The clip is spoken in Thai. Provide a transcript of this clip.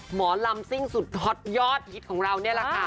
หมอรำซิ้งสุดรอดยอดของเราเนี่ยครับ